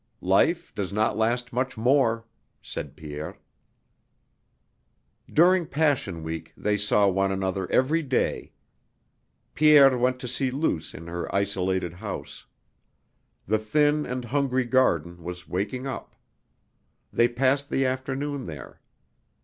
"Life does not last much more," said Pierre. DURING Passion Week they saw one another every day. Pierre went to see Luce in her isolated house. The thin and hungry garden was waking up. They passed the afternoon there.